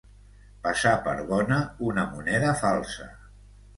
Passar per bona, una moneda falsa.